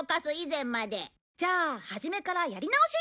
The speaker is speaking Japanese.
じゃあ初めからやり直し！